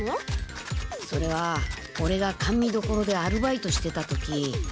それはオレが甘味どころでアルバイトしてた時。